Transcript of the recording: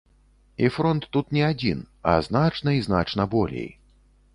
І фронт тут не адзін, а значна і значна болей.